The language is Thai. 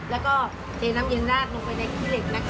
แล้วก็เทน้ำเย็นราดลงไปในขี้เหล็กนะคะ